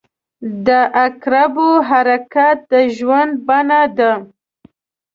• د عقربو حرکت د ژوند بڼه ده.